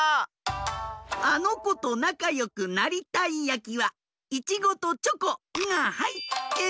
あのことなかよくなりたいやきはイチゴとチョコ・ンがはいってる！